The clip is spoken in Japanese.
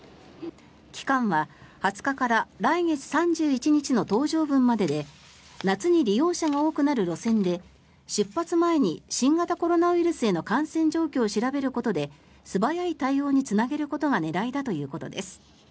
期間は２０日から来月３１日までの搭乗分までで夏に利用者が多くなる路線で出発前に新型コロナウイルスへの感染状況を調べることで素早い対応につなげることが狙いだということです。